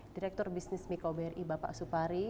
direktur bisnis mikro bri bapak supari